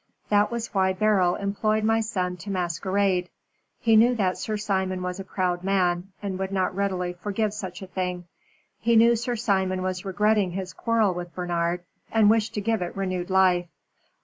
That was why Beryl employed my son to masquerade. He knew that Sir Simon was a proud man, and would not readily forgive such a thing. He knew Sir Simon was regretting his quarrel with Bernard, and wished to give it renewed life.